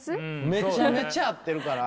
めちゃめちゃ合ってるから！